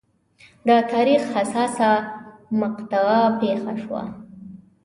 د تاریخ حساسه مقطعه پېښه شوه.